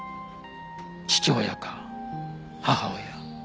父親か母親。